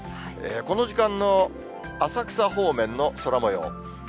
この時間の浅草方面の空もよう。